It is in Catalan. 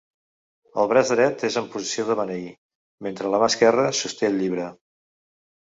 El braç dret és en posició de beneir, mentre la mà esquerra sosté el llibre.